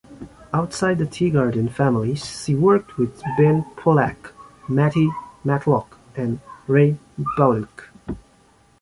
Outside the Teagarden family, she worked with Ben Pollack, Matty Matlock, and Ray Bauduc.